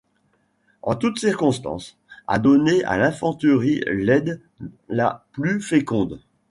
En toutes circonstances, a donné à l'infanterie l'aide la plus féconde.